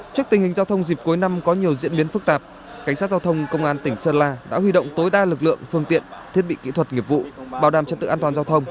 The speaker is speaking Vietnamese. trước tình hình giao thông dịp cuối năm có nhiều diễn biến phức tạp cảnh sát giao thông công an tỉnh sơn la đã huy động tối đa lực lượng phương tiện thiết bị kỹ thuật nghiệp vụ bảo đảm trật tự an toàn giao thông